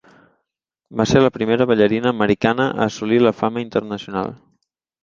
Va ser la primera ballarina americana a assolir la fama internacional.